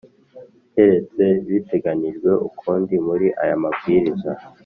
Keretse biteganijwe ukundi muri aya mabwiriza